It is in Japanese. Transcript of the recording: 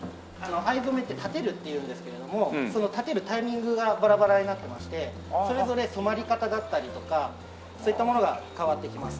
藍染めって建てるっていうんですけれどもその建てるタイミングがバラバラになってましてそれぞれ染まり方があったりとかそういったものが変わってきます。